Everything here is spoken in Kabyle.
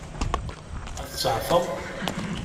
Ad t-seɛfeɣ?